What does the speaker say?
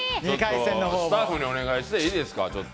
スタッフにお願いしていいですかちょっと。